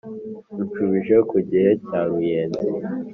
ushubije ku gihe cya ruyenzi: